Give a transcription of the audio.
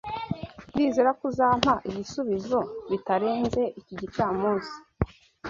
Ndizera ko uzampa igisubizo bitarenze iki gicamunsi.